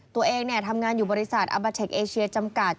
ตัวเองทำงานอยู่บริษัทอาบาเทคเอเชียจำกัด